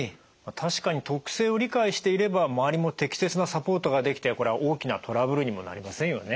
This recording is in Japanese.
確かに特性を理解していれば周りも適切なサポートができて大きなトラブルにもなりませんよね？